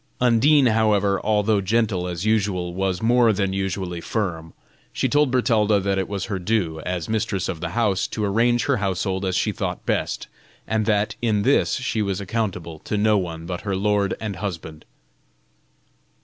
Undine, however, although gentle as usual, was more than usually firm. She told Bertalda that it was her due, as mistress of the house, to arrange her household as she thought best, and that, in this, she was accountable to no one but her lord and husband.